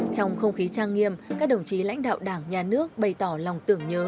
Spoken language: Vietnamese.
trong không khí trang nghiêm các đồng chí lãnh đạo đảng nhà nước bày tỏ lòng tưởng nhớ